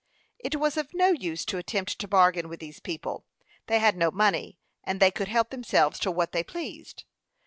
It was of no use to attempt to bargain with these people; they had no money, and they could help themselves to what they pleased.